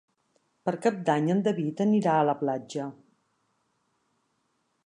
Per Cap d'Any en David anirà a la platja.